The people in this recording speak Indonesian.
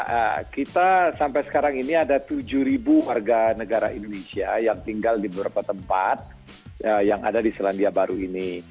ya kita sampai sekarang ini ada tujuh warga negara indonesia yang tinggal di beberapa tempat yang ada di selandia baru ini